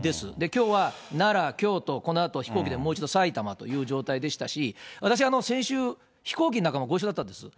きょうは、奈良、京都、このあと飛行機でもう一度埼玉という状態でしたし、私、先週、飛行機の中もご一緒だったんです。